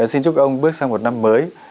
xin chúc ông bước sang một năm mới